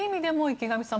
池上さん